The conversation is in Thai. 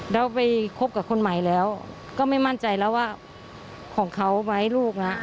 แล้วไปคบกับคนใหม่แล้วก็ไม่มั่นใจแล้วว่าของเขาไว้ลูกละ